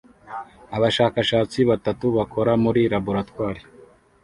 Abashakashatsi batatu bakora muri laboratoire